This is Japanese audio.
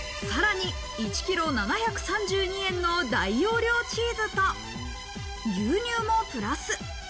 さらに１キロ、７３２円の大容量チーズと牛乳もプラス。